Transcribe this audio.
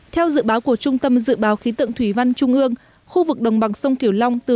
theo dự báo của trung tâm dự báo khí tượng thủy văn trung ương khu vực đồng bằng sông kiểu long từ